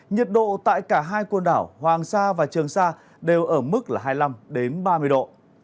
nhiệt độ tại cả hai quần đảo hoàng sa và trường sa đều ở mức là hai mươi năm ba mươi độ